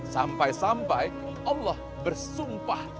sampai sampai allah bersumpah